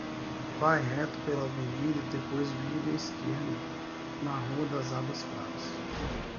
Vá reto pela Avenida e depois vire à esquerda, na Rua das Águas Claras.